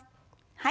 はい。